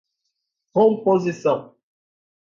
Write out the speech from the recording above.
composição